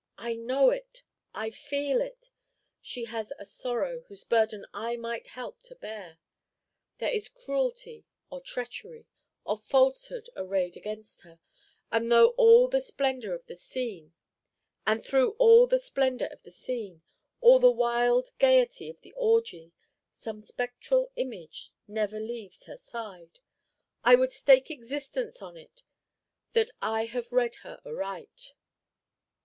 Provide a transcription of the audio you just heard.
I know it, I feel it! She has a sorrow whose burden I might help to bear. There is cruelty, or treachery, or falsehood arrayed against her; and through all the splendor of the scene all the wild gayety of the orgie some spectral image never leaves her side! I would stake existence on it that I have read her aright!"